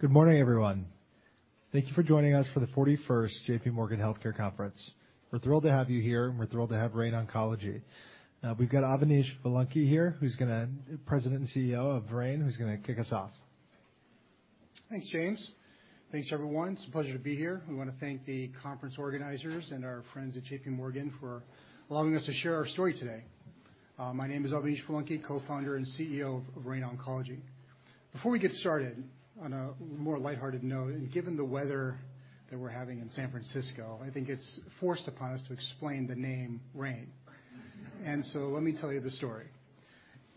Good morning, everyone. Thank you for joining us for the 41st JPMorgan Healthcare Conference. We're thrilled to have you here, and we're thrilled to have Rain Oncology. We've got Avanish Vellanki here who's gonna President and CEO of Rain, who's gonna kick us off. Thanks, James. Thanks, everyone. It's a pleasure to be here. We wanna thank the conference organizers and our friends at JPMorgan for allowing us to share our story today. My name is Avanish Vellanki, Co-Founder and CEO of Rain Oncology. Before we get started, on a more lighthearted note, and given the weather that we're having in San Francisco, I think it's forced upon us to explain the name Rain. Let me tell you the story.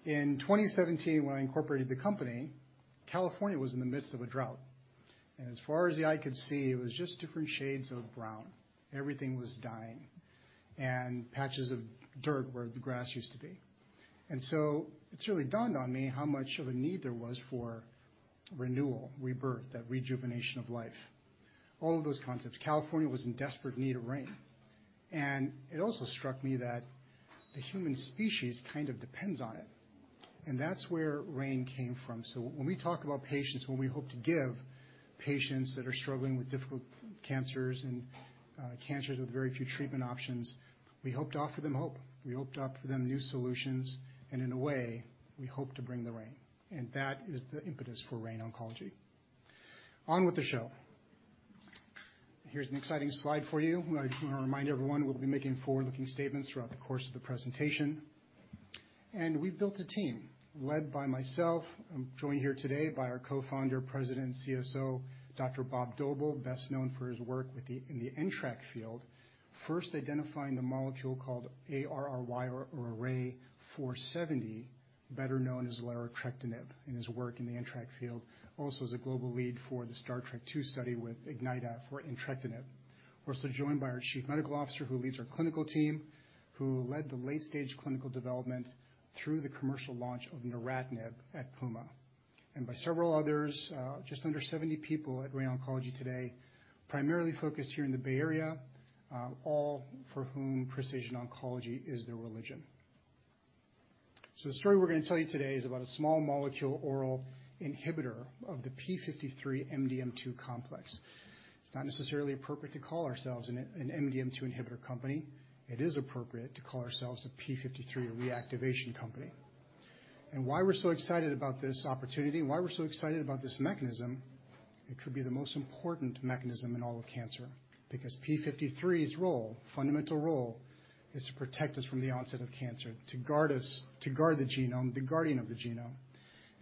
In 2017, when I incorporated the company, California was in the midst of a drought, and as far as the eye could see, it was just different shades of brown. Everything was dying, and patches of dirt where the grass used to be. It's really dawned on me how much of a need there was for renewal, rebirth, that rejuvenation of life, all of those concepts. California was in desperate need of rain. It also struck me that the human species kind of depends on it, and that's where Rain came from. When we talk about patients, when we hope to give patients that are struggling with difficult cancers and cancers with very few treatment options, we hope to offer them hope. We hope to offer them new solutions, and in a way, we hope to bring the rain, and that is the impetus for Rain Oncology. On with the show. Here's an exciting slide for you. I just wanna remind everyone, we'll be making forward-looking statements throughout the course of the presentation. We've built a team led by myself. I'm joined here today by our co-founder, president, CSO, Dr. Robert Doebele, best known for his work in the NTRK field, first identifying the molecule called ARRY-470, better known as larotrectinib, in his work in the NTRK field. Also, as a global lead for the STARTRK-2 study with Ignyta for entrectinib. We're also joined by our Chief Medical Officer who leads our clinical team, who led the late-stage clinical development through the commercial launch of neratinib at Puma. By several others, just under 70 people at Rain Oncology today, primarily focused here in the Bay Area, all for whom precision oncology is their religion. The story we're gonna tell you today is about a small molecule oral inhibitor of the P53-MDM2 complex. It's not necessarily appropriate to call ourselves an MDM2 inhibitor company. It is appropriate to call ourselves a P53 reactivation company. Why we're so excited about this opportunity, why we're so excited about this mechanism, it could be the most important mechanism in all of cancer because P53's role, fundamental role, is to protect us from the onset of cancer, to guard the genome, the guardian of the genome.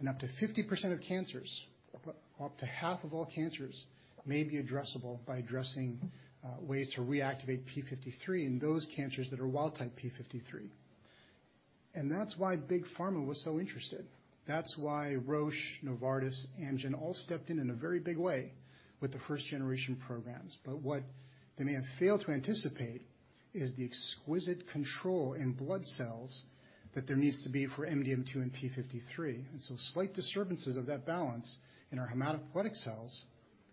Up to 50% of cancers, half of all cancers may be addressable by addressing ways to reactivate P53 in those cancers that are wild type P53 and that's why big pharma was so interested. That's why Roche, Novartis, Amgen all stepped in a very big way with the first generation programs. What they may have failed to anticipate is the exquisite control in blood cells that there needs to be for MDM2 and P53. Slight disturbances of that balance in our hematopoietic cells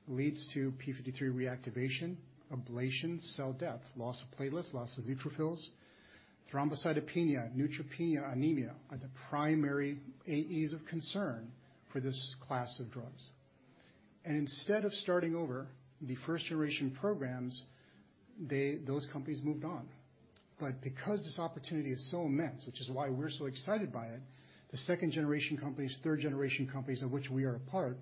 leads to P53 reactivation, ablation, cell death, loss of platelets, loss of neutrophils, thrombocytopenia, neutropenia, anemia are the primary AEs of concern for this class of drugs. Instead of starting over the 1st-generation programs, those companies moved on. Because this opportunity is so immense, which is why we're so excited by it, the 2nd-generation companies, 3rd-generation companies of which we are a part,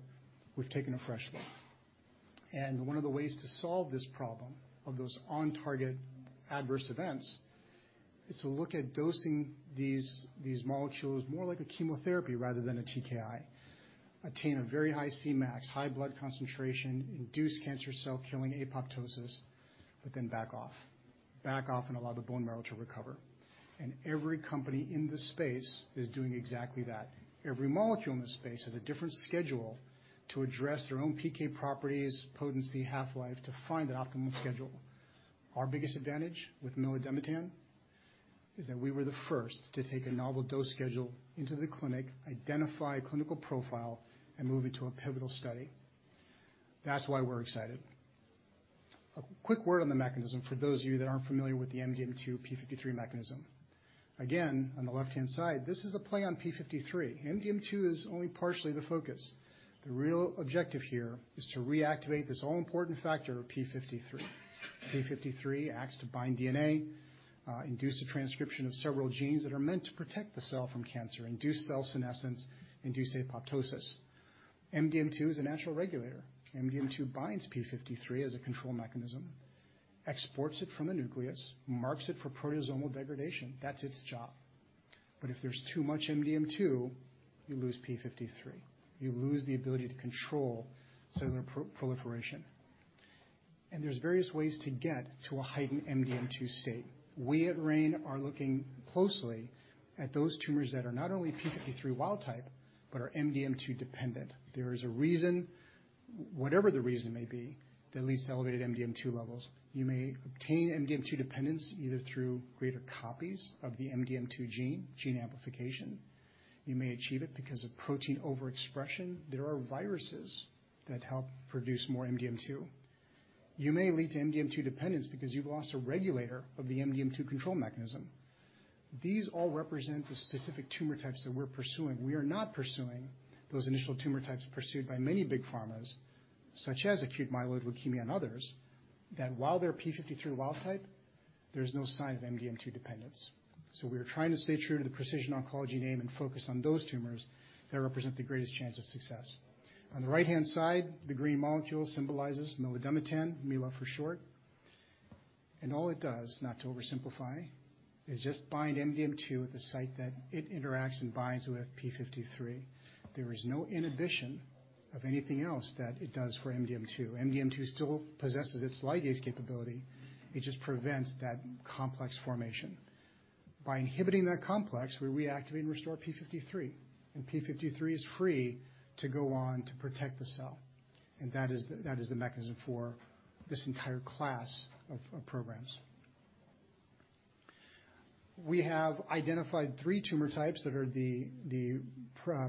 we've taken a fresh look. One of the ways to solve this problem of those on target adverse events is to look at dosing these molecules more like a chemotherapy rather than a TKI, attain a very high Cmax, high blood concentration, induce cancer cell killing apoptosis, but then back off. Back off and allow the bone marrow to recover. Every company in this space is doing exactly that. Every molecule in this space has a different schedule to address their own PK properties, potency, half-life to find an optimal schedule. Our biggest advantage with milademetan is that we were the first to take a novel dose schedule into the clinic, identify clinical profile, and move it to a pivotal study. That's why we're excited. A quick word on the mechanism for those of you that aren't familiar with the MDM2 P53 mechanism. On the left-hand side, this is a play on P53. MDM2 is only partially the focus. The real objective here is to reactivate this all-important factor of P53. P53 acts to bind DNA, induce the transcription of several genes that are meant to protect the cell from cancer, induce cell senescence, induce apoptosis. MDM2 is a natural regulator. MDM2 binds P53 as a control mechanism, exports it from the nucleus, marks it for proteasomal degradation. That's its job. If there's too much MDM2, you lose P53, you lose the ability to control cellular pro-proliferation. There's various ways to get to a heightened MDM2 state. We at Rain are looking closely at those tumors that are not only P53 wild type, but are MDM2 dependent. There is a reason, whatever the reason may be, that leads to elevated MDM2 levels. You may obtain MDM2 dependence either through greater copies of the MDM2 gene amplification. You may achieve it because of protein overexpression. There are viruses that help produce more MDM2. You may lead to MDM2 dependence because you've lost a regulator of the MDM2 control mechanism. These all represent the specific tumor types that we're pursuing. We are not pursuing those initial tumor types pursued by many big pharmas, such as acute myeloid leukemia and others, that while they're P53 wild type, there's no sign of MDM2 dependence. We are trying to stay true to the precision oncology name and focus on those tumors that represent the greatest chance of success. On the right-hand side, the green molecule symbolizes milademetan, Mila for short. All it does, not to oversimplify, is just bind MDM2 at the site that it interacts and binds with P53. There is no inhibition of anything else that it does for MDM2. MDM2 still possesses its ligase capability. It just prevents that complex formation. By inhibiting that complex, we reactivate and restore P53, and P53 is free to go on to protect the cell, and that is the mechanism for this entire class of programs. We have identified three tumor types that are the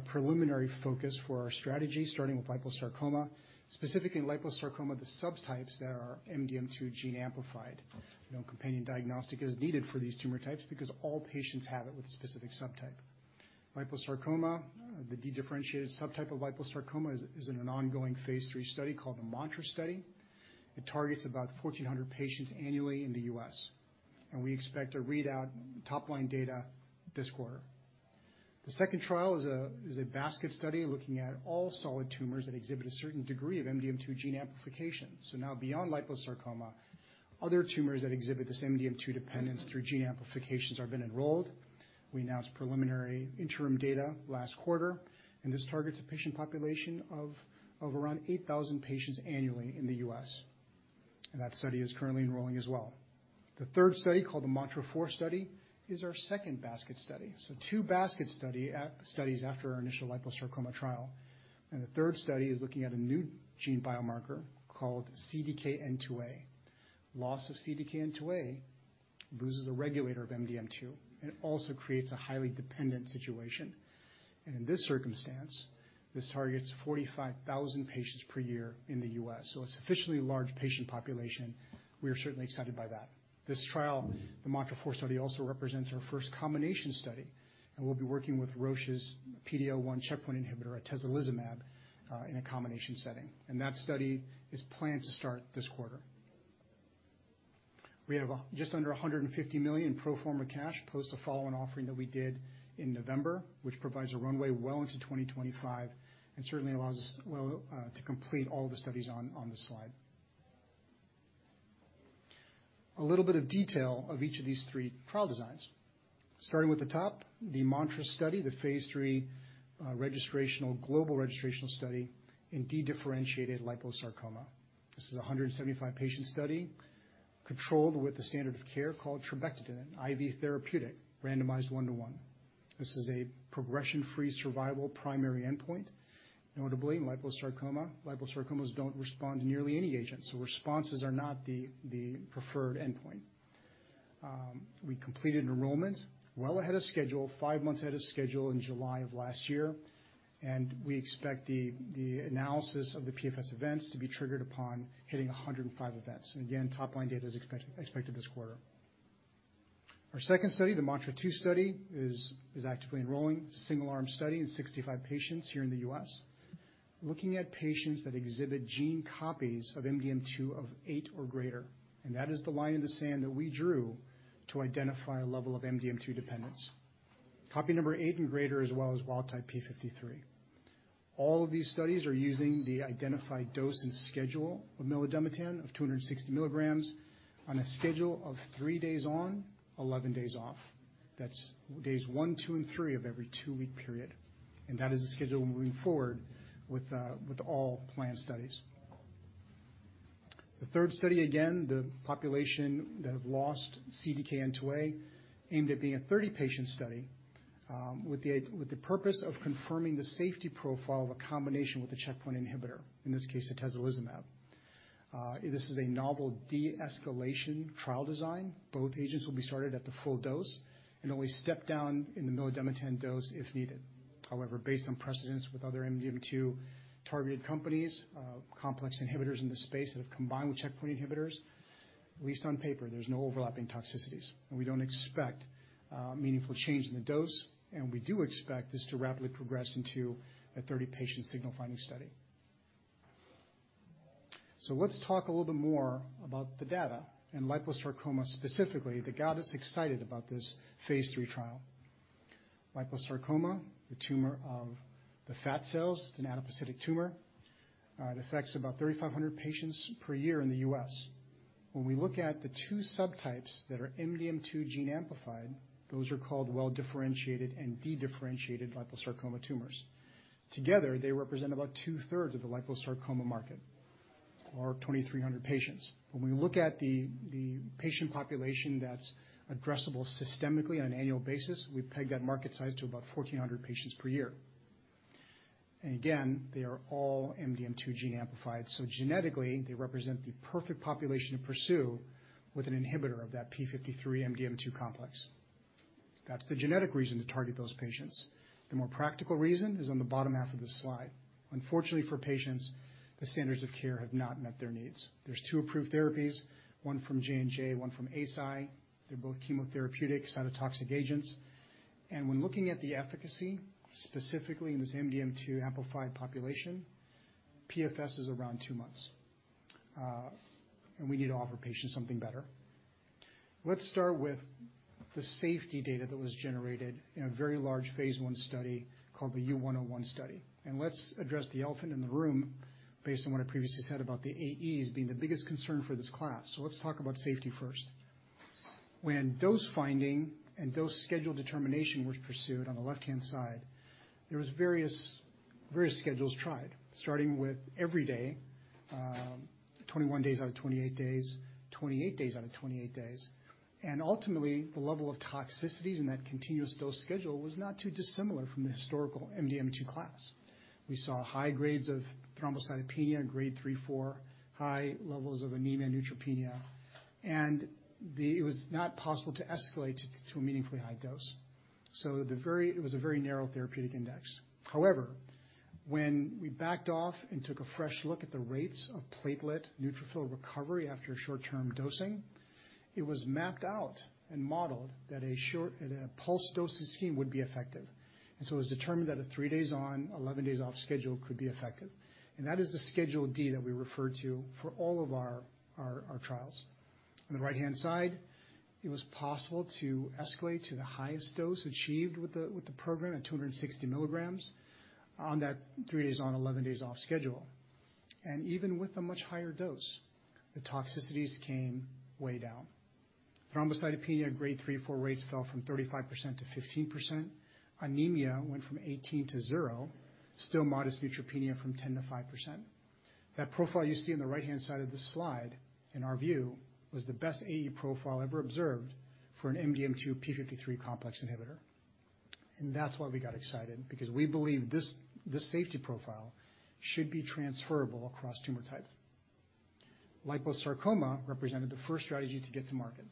preliminary focus for our strategy, starting with liposarcoma, specifically in liposarcoma, the subtypes that are MDM2 gene amplified. No companion diagnostic is needed for these tumor types because all patients have it with a specific subtype. Liposarcoma, the dedifferentiated subtype of liposarcoma is in an ongoing phase III study called the MANTRA study. It targets about 1,400 patients annually in the US, and we expect to read out top-line data this quarter. The second trial is a basket study looking at all solid tumors that exhibit a certain degree of MDM2 gene amplification. Now beyond liposarcoma, other tumors that exhibit this MDM2 dependence through gene amplifications have been enrolled. We announced preliminary interim data last quarter, this targets a patient population of around 8,000 patients annually in the US. That study is currently enrolling as well. The third study, called the MANTRA-4 study, is our second basket study. Two basket studies after our initial liposarcoma trial. The third study is looking at a new gene biomarker called CDKN2A. Loss of CDKN2A loses a regulator of MDM2 and also creates a highly dependent situation. In this circumstance, this targets 45,000 patients per year in the U.S., so a sufficiently large patient population. We are certainly excited by that. This trial, the MANTRA-4 study, also represents our first combination study, and we'll be working with Roche's PD-L1 checkpoint inhibitor, atezolizumab, in a combination setting. That study is planned to start this quarter. We have just under $150 million pro forma cash post a follow-on offering that we did in November, which provides a runway well into 2025 and certainly allows us well to complete all the studies on this slide. A little bit of detail of each of these three trial designs. Starting with the top, the MANTRA study, the phase III registrational, global registrational study in dedifferentiated liposarcoma. This is a 175 patient study controlled with the standard of care called trabectedin, IV therapeutic, randomizedone to one This is a progression-free survival primary endpoint. Notably, liposarcomas don't respond to nearly any agent, so responses are not the preferred endpoint. We completed enrollment well ahead of schedule, five months ahead of schedule in July of last year. We expect the analysis of the PFS events to be triggered upon hitting 105 events. Again, top-line data is expected this quarter. Our second study, the MANTRA-2 study, is actively enrolling. It's a single-arm study in 65 patients here in the U.S., looking at patients that exhibit gene copies of MDM2 of eight or greater. That is the line in the sand that we drew to identify a level of MDM2 dependence. Copy number eight and greater, as well as wild type P53. All of these studies are using the identified dose and schedule of milademetan of 260 milligrams on a schedule of three days on, 11 days off. That's days one, two, and three of every two-week period. That is the schedule moving forward with all planned studies. The third study, again, the population that have lost CDKN2A aimed at being a 30-patient study, with the purpose of confirming the safety profile of a combination with a checkpoint inhibitor, in this case, atezolizumab. This is a novel de-escalation trial design. Both agents will be started at the full dose and only step-down in the milademetan dose if needed. However, based on precedence with other MDM2 targeted companies, complex inhibitors in this space that have combined with checkpoint inhibitors, at least on paper, there's no overlapping toxicities, and we don't expect meaningful change in the dose, and we do expect this to rapidly progress into a 30-patient signal finding study. Let's talk a little bit more about the data and liposarcoma specifically that got us excited about this phase III trial. Liposarcoma, the tumor of the fat cells. It's an adipocytic tumor. It affects about 3,500 patients per year in the U.S. When we look at the two subtypes that are MDM2 gene amplified, those are called well-differentiated and dedifferentiated liposarcoma tumors. Together, they represent about 2/3 of the liposarcoma market or 2,300 patients. When we look at the patient population that's addressable systemically on an annual basis, we peg that market size to about 1,400 patients per year. Again, they are all MDM2 gene amplified. Genetically, they represent the perfect population to pursue with an inhibitor of that P53 MDM2 complex. That's the genetic reason to target those patients. The more practical reason is on the bottom half of the slide. Unfortunately for patients, the standards of care have not met their needs. There's 2 approved therapies. One from J&J, one from Eisai. They're both chemotherapeutic cytotoxic agents. When looking at the efficacy, specifically in this MDM2 amplified population, PFS is around 2 months. We need to offer patients something better. Let's start with the safety data that was generated in a very large phase II study called the U-101 study. Let's address the elephant in the room based on what I previously said about the AEs being the biggest concern for this class. Let's talk about safety first. When dose finding and dose schedule determination was pursued on the left-hand side, there was various schedules tried, starting with every day, 21 days out of 28 days, 28 days out of 28 days. Ultimately, the level of toxicities in that continuous dose schedule was not too dissimilar from the historical MDM2 class. We saw high grades of thrombocytopenia and grade 3/4, high levels of anemia and neutropenia. It was not possible to escalate to a meaningfully high dose. It was a very narrow therapeutic index. However, when we backed off and took a fresh look at the rates of platelet neutrophil recovery after short-term dosing, it was mapped out and modeled that a pulse dosing scheme would be effective. It was determined that a three days on, 11 days off schedule could be effective. That is the Schedule D that we refer to for all of our trials. On the right-hand side, it was possible to escalate to the highest dose achieved with the program at 260 milligrams on that three days on, 11 days off schedule. Even with a much higher dose, the toxicities came way down. Thrombocytopenia grade 3/4 rates fell from 35% -15%. Anemia went from 18%-0%. Still modest neutropenia from 10%-5%. That profile you see on the right-hand side of this slide, in our view, was the best AE profile ever observed for an MDM2-P53 complex inhibitor. That's why we got excited, because we believe this safety profile should be transferable across tumor type. Liposarcoma represented the first strategy to get to market.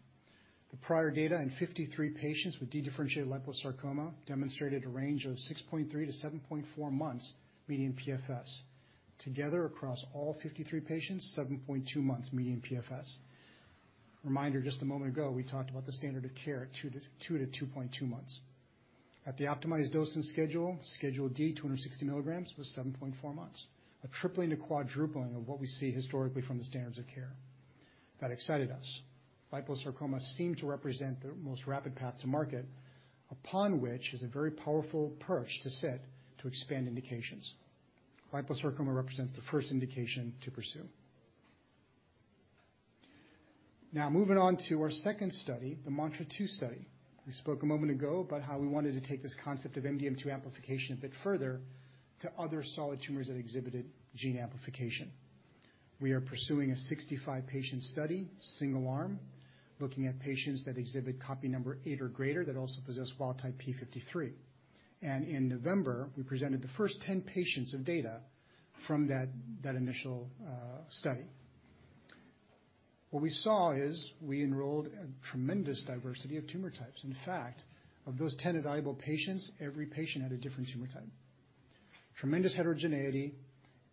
The prior data in 53 patients with dedifferentiated liposarcoma demonstrated a range of 6.3-7.4 months median PFS. Together, across all 53 patients, 7.2 months median PFS. Reminder, just a moment ago, we talked about the standard of care at 2 to 2.2 months. At the optimized dosing schedule, Schedule D, 260 milligrams, was 7.4 months, a tripling to quadrupling of what we see historically from the standards of care. That excited us. Liposarcoma seemed to represent the most rapid path to market, upon which is a very powerful perch to sit to expand indications. Liposarcoma represents the first indication to pursue. Moving on to our second study, the MANTRA-2 study. We spoke a moment ago about how we wanted to take this concept of MDM2 amplification a bit further to other solid tumors that exhibited gene amplification. We are pursuing a 65-patient study, single arm, looking at patients that exhibit copy number 8 or greater that also possess wild type P53. In November, we presented the first 10 patients of data from that initial study. What we saw is we enrolled a tremendous diversity of tumor types. In fact, of those 10 evaluable patients, every patient had a different tumor type. Tremendous heterogeneity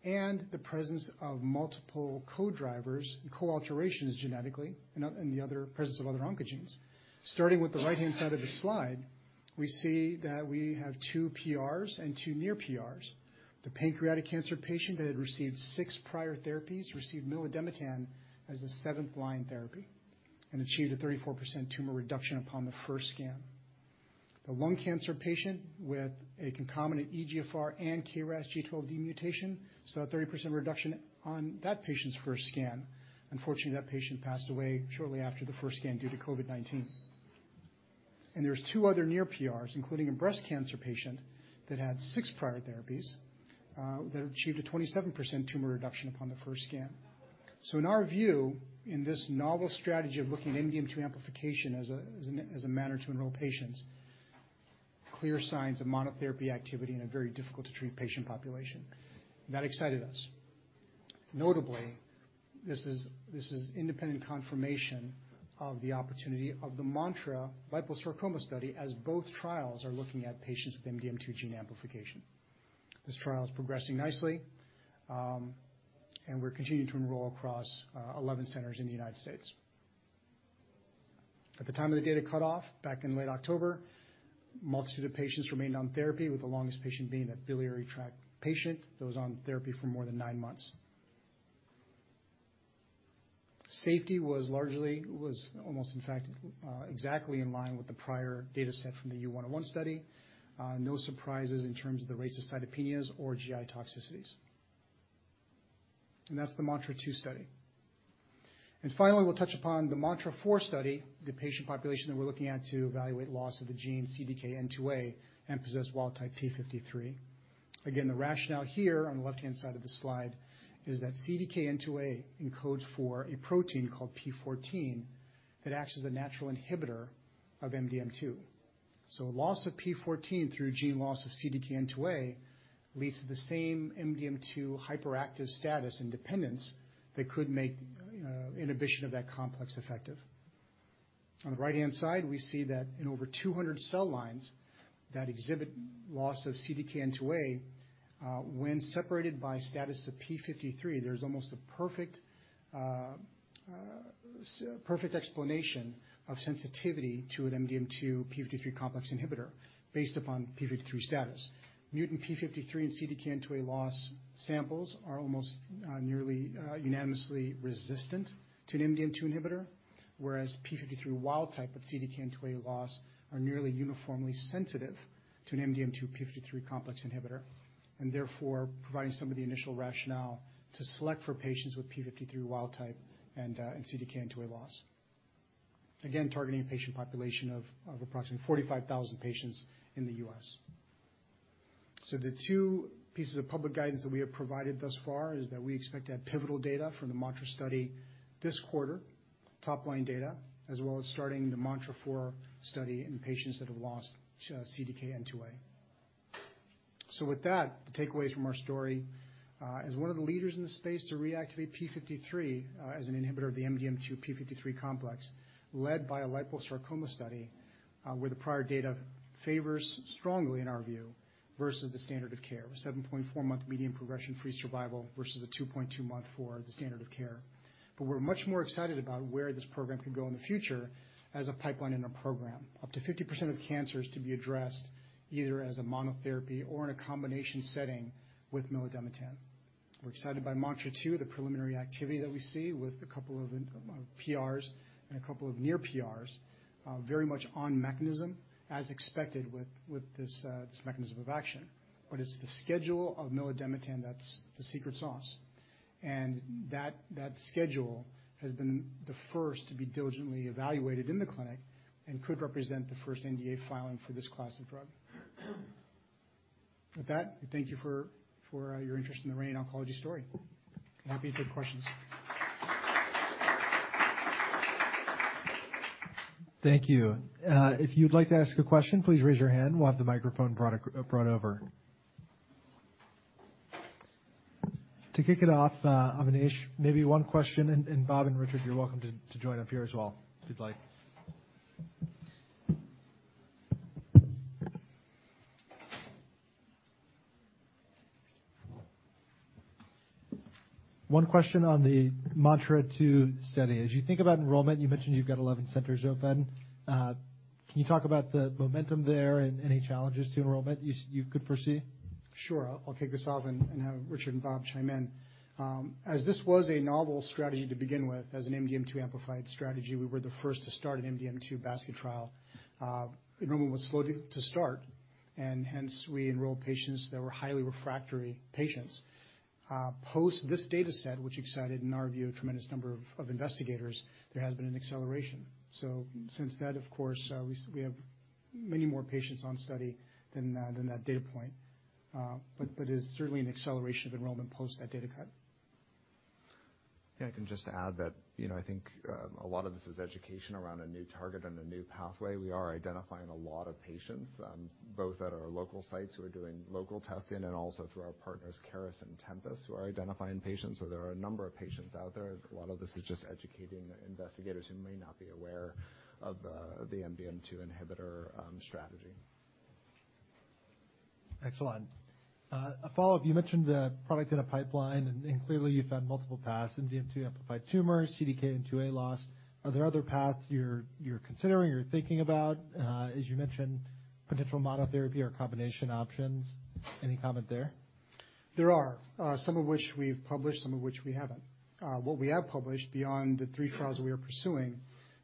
and the presence of multiple co-drivers and co-alterations genetically in the other presence of other oncogenes. Starting with the right-hand side of the slide, we see that we have two PRs and two near PRs. The pancreatic cancer patient that had received six prior therapies received milademetan as the seventh line therapy and achieved a 34% tumor reduction upon the first scan. The lung cancer patient with a concomitant EGFR and KRAS G12D mutation saw a 30% reduction on that patient's first scan. Unfortunately, that patient passed away shortly after the first scan due to COVID-19. There's two other near PRs, including a breast cancer patient that had six prior therapies, that achieved a 27% tumor reduction upon the first scan. In our view, in this novel strategy of looking at MDM2 amplification as a manner to enroll patients, clear signs of monotherapy activity in a very difficult to treat patient population. That excited us. Notably, this is independent confirmation of the opportunity of the MANTRA liposarcoma study as both trials are looking at patients with MDM2 gene amplification. This trial is progressing nicely, and we're continuing to enroll across 11 centers in the United States. At the time of the data cutoff back in late October, multitude of patients remained on therapy, with the longest patient being a biliary tract patient that was on therapy for more than nine months. Safety was almost in fact, exactly in line with the prior data set from the RXDX-101 study. No surprises in terms of the rates of cytopenias or GI toxicities. That's the MANTRA-2 study. Finally, we'll touch upon the MANTRA-4 study, the patient population that we're looking at to evaluate loss of the gene CDKN2A and possess wild type P53. Again, the rationale here on the left-hand side of the slide is that CDKN2A encodes for a protein called p14 that acts as a natural inhibitor of MDM2. A loss of p14 through gene loss of CDKN2A leads to the same MDM2 hyperactive status and dependence that could make inhibition of that complex effective. On the right-hand side, we see that in over 200 cell lines that exhibit loss of CDKN2A, when separated by status of P53, there's almost a perfect explanation of sensitivity to an MDM2 P53 complex inhibitor based upon P53 status. Mutant P53 and CDKN2A loss samples are almost nearly unanimously resistant to an MDM2 inhibitor, whereas P53 wild type of CDKN2A loss are nearly uniformly sensitive to an MDM2 P53 complex inhibitor, and therefore providing some of the initial rationale to select for patients with P53 wild type and CDKN2A loss. Again, targeting a patient population of approximately 45,000 patients in the U.S. The two pieces of public guidance that we have provided thus far is that we expect to have pivotal data from the MANTRA study this quarter, top-line data, as well as starting the MANTRA-4 study in patients that have lost CDKN2A. With that, the takeaways from our story, as one of the leaders in the space to reactivate P53, as an inhibitor of the MDM2 P53 complex, led by a liposarcoma study, where the prior data favors strongly in our view versus the standard of care, 7.4-month median progression-free survival versus a 2.2-month for the standard of care. We're much more excited about where this program could go in the future as a pipeline in a program. Up to 50% of cancers to be addressed, either as a monotherapy or in a combination setting with milademetan. We're excited by MANTRA-2, the preliminary activity that we see with a couple of PRs and a couple of near PRs, very much on mechanism as expected with this mechanism of action. It's the schedule of milademetan that's the secret sauce. That schedule has been the first to be diligently evaluated in the clinic and could represent the first NDA filing for this class of drug. With that, we thank you for your interest in the Rain Oncology story. Happy to take questions. Thank you. If you'd like to ask a question, please raise your hand. We'll have the microphone brought over. To kick it off, Avanish, maybe one question, and Bob and Richard, you're welcome to join up here as well if you'd like. One question on the MANTRA-2 study. As you think about enrollment, you mentioned you've got 11 centers open. Can you talk about the momentum there and any challenges to enrollment you could foresee? Sure. I'll kick this off and have Richard and Robert Doebele chime in. As this was a novel strategy to begin with, as an MDM2 amplified strategy, we were the first to start an MDM2 basket trial. Enrollment was slow to start, and hence we enrolled patients that were highly refractory patients. Post this data set, which excited, in our view, a tremendous number of investigators, there has been an acceleration. Since that, of course, we have many more patients on study than that data point. But it's certainly an acceleration of enrollment post that data cut. Yeah, I can just add that, you know, I think, a lot of this is education around a new target and a new pathway. We are identifying a lot of patients, both at our local sites who are doing local testing and also through our partners, Caris and Tempus, who are identifying patients. There are a number of patients out there. A lot of this is just educating investigators who may not be aware of, the MDM2 inhibitor, strategy. Excellent. A follow-up, you mentioned, product in a pipeline, and clearly you've had multiple paths, MDM2 amplified tumors, CDKN2A loss. Are there other paths you're considering or thinking about? As you mentioned, potential monotherapy or combination options? Any comment there? There are, some of which we've published, some of which we haven't. What we have published beyond the three trials we are pursuing,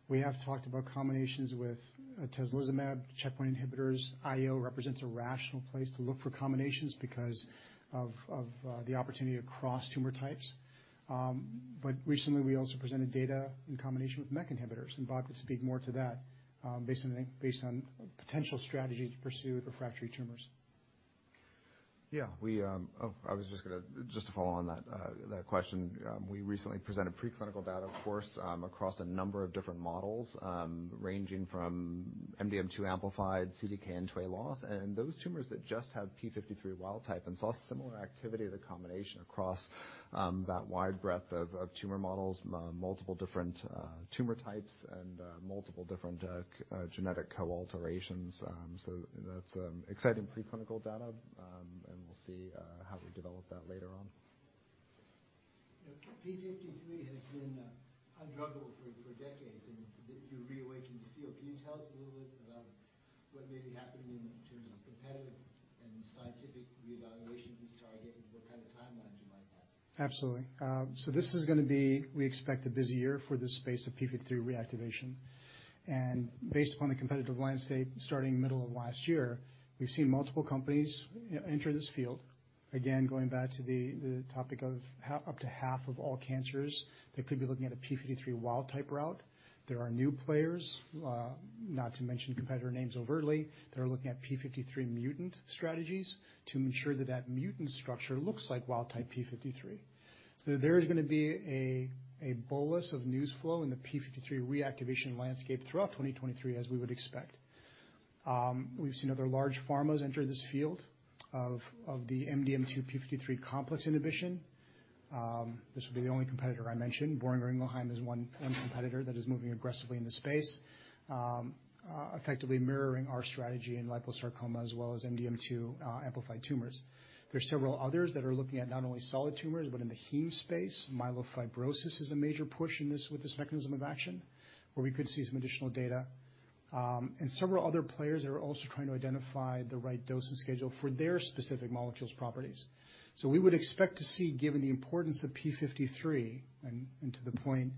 we have talked about combinations with, atezolizumab, checkpoint inhibitors. IO represents a rational place to look for combinations because of, the opportunity across tumor types. Recently, we also presented data in combination with MEK inhibitors, and Bob could speak more to that, based on potential strategies pursued refractory tumors. Just to follow on that question, we recently presented preclinical data, of course, across a number of different models, ranging from MDM2 amplified, CDKN2A loss, and those tumors that just have P53 wild type and saw similar activity of the combination across that wide breadth of tumor models, multiple different tumor types and multiple different genetic co-alterations. That's exciting preclinical data, and we'll see how we develop that later on. P53 has been undruggable for decades. You reawakened the field. Can you tell us a little bit about what may be happening in terms of competitive and scientific reevaluation of this target and what kind of timelines you might have? Absolutely. This is gonna be, we expect, a busy year for this space of P53 reactivation. Based upon the competitive landscape starting middle of last year, we've seen multiple companies enter this field. Again, going back to the topic of up to half of all cancers that could be looking at a P53 wild type route. There are new players, not to mention competitor names overtly, that are looking at P53 mutant strategies to ensure that that mutant structure looks like wild type P53. There is gonna be a bolus of news flow in the P53 reactivation landscape throughout 2023, as we would expect. We've seen other large pharmas enter this field of the MDM2 P53 complex inhibition. This will be the only competitor I mentioned. Boehringer Ingelheim is one competitor that is moving aggressively in the space, effectively mirroring our strategy in liposarcoma as well as MDM2 amplified tumors. There are several others that are looking at not only solid tumors but in the heme space. Myelofibrosis is a major push in this with this mechanism of action, where we could see some additional data. Several other players are also trying to identify the right dosing schedule for their specific molecule's properties. We would expect to see, given the importance of P53, and to the point,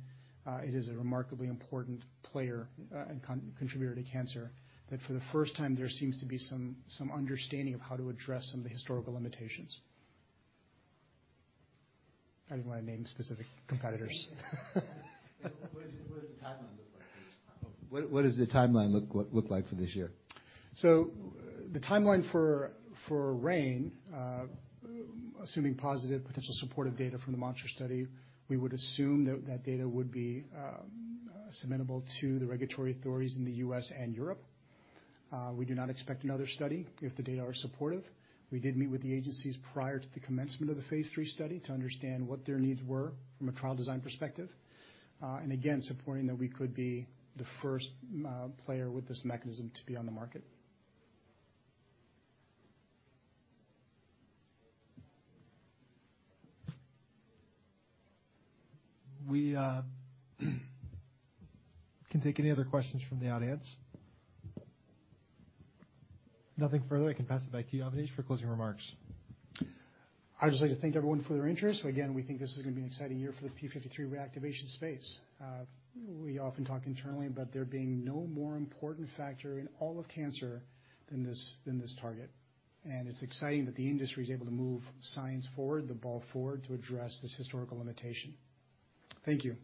it is a remarkably important player and contributor to cancer, that for the first time there seems to be some understanding of how to address some of the historical limitations. I didn't wanna name specific competitors. What does the timeline look like for this? What does the timeline look like for this year? The timeline for Rain Therapeutics, assuming positive potential supportive data from the MANTRA study, we would assume that that data would be submit-able to the regulatory authorities in the U.S. and Europe. We do not expect another study if the data are supportive. We did meet with the agencies prior to the commencement of the phase III study to understand what their needs were from a trial design perspective. And again, supporting that we could be the first player with this mechanism to be on the market. We can take any other questions from the audience. If nothing further, I can pass it back to you, Avanish, for closing remarks. I'd just like to thank everyone for their interest. Again, we think this is going to be an exciting year for the P53 reactivation space. We often talk internally about there being no more important factor in all of cancer than this target. It's exciting that the industry is able to move science forward, the ball forward, to address this historical limitation. Thank you.